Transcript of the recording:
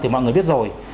thì mọi người biết rồi